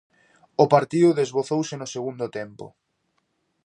O partido desbocouse no segundo tempo.